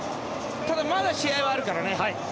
ただ、まだ試合はあるからね。